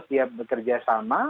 siap bekerja sama